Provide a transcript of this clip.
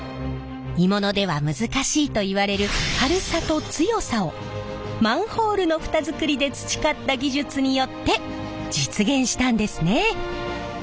鋳物では難しいといわれる軽さと強さをマンホールの蓋作りで培った技術によって実現したんですね。